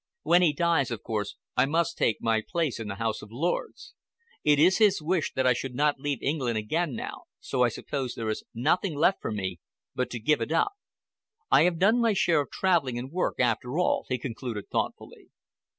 When he dies, of course, I must take my place in the House of Lords. It is his wish that I should not leave England again now, so I suppose there is nothing left for me but to give it up. I have done my share of traveling and work, after all," he concluded, thoughtfully.